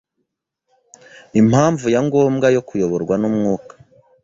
Impamvu ya ngombwa yo kuyoborwa n’ Umwuka